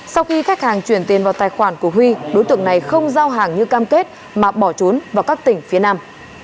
sau khi khách hàng chuyển tiền vào tài khoản của huy đối tượng này không giao hàng như cam kết mà bỏ trốn vào các tỉnh phía nam